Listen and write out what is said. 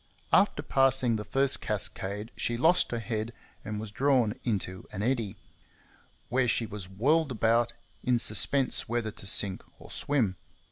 After passing the first cascade she lost her head and was drawn into an eddy, where she was whirled about, in suspense whether to sink or swim.